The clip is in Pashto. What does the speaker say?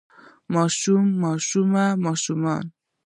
ماشوم ماشومه ماشومان